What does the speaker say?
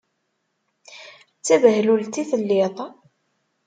D tabehlult i telliḍ.